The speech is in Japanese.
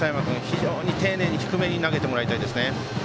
非常に丁寧に低めに投げてもらいたいです。